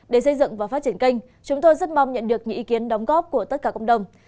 để xây dựng và phát triển kênh chúng tôi rất mong nhận được những ý kiến đóng góp của tất cả cộng đồng